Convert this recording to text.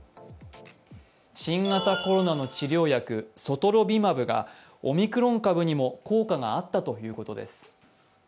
新型コロナの治療薬ソトロビマブがオミクロン株にも効果があったということです。